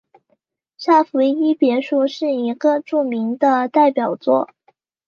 萨伏伊别墅是一个著名的代表作。